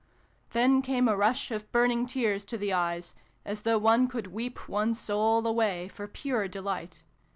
Then came a rush of burning tears to the eyes, as though one could weep one's soul away for pure de light.